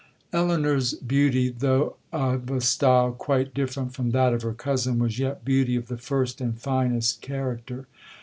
'Elinor's beauty, though of a style quite different from that of her cousin, was yet beauty of the first and finest character.